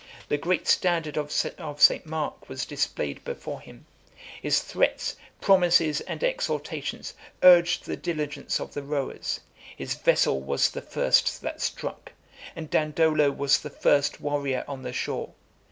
The great standard of St. Mark was displayed before him; his threats, promises, and exhortations, urged the diligence of the rowers; his vessel was the first that struck; and Dandolo was the first warrior on the shore.